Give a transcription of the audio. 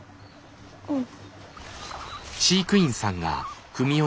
うん。